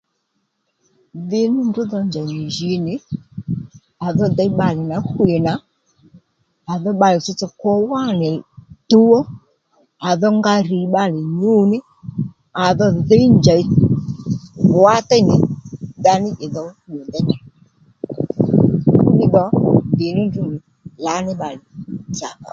Dhì ní ndrǔ dho njèy nì njí nì à dho dey bbalè nà hwî nà à dho bbalè tsotso kwo wánì tuw ó à dho nga rì bbalè nyǔ ní à dho dhǐy njèy wǎ téy nì ndaní ì dho nyû déy fúddiy dhò dhì ní ndrǔ nì lǎní bbalè dza ó